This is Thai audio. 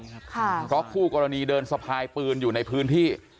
เพราะคู่กรณีเดินสะพายปืนอยู่ในพื้นที่